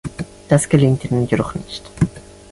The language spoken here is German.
Das gelingt ihnen jedoch nicht.